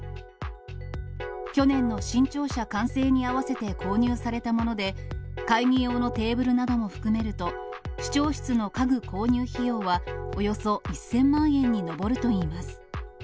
去年の新庁舎完成に合わせて購入されたもので、会議用のテーブルなども含めると、市長室の家具購入費用はおよそ１０００万円に上るといいます。